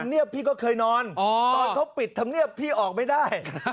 เงียบพี่ก็เคยนอนตอนเขาปิดธรรมเนียบพี่ออกไม่ได้